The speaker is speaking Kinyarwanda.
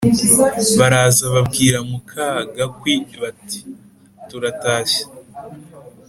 baraza babwira muka gakwi bati «turatashye